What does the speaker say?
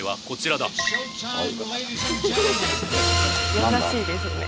優しいですね。